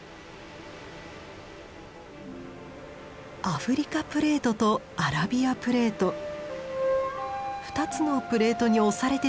アフリカプレートとアラビアプレート２つのプレートに押されて誕生した大山脈。